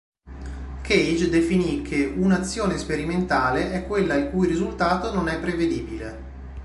Cage definì che "un'azione sperimentale è quella il cui risultato non è prevedibile".